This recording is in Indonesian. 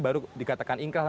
baru dikatakan inkrah